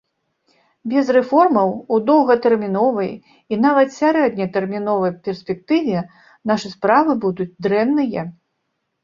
Без рэформаў у доўгатэрміновай і нават сярэднетэрміновай перспектыве нашы справы будуць дрэнныя.